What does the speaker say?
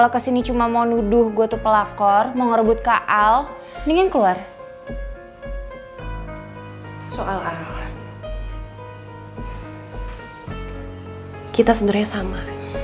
kita sebenernya sama